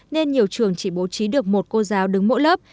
nên nhiều trường chỉ bố trí được một cô giáo đứng mỗi lớp